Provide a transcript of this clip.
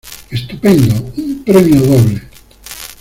¡ Estupendo, un premio doble!